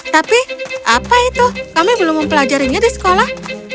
tapi apa itu kami belum mempelajarinya di sekolah